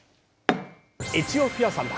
エチオピア産だ！